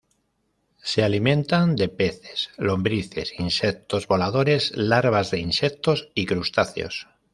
Se alimentan de peces, lombrices, insectos voladores, larvas de insectos y crustáceos.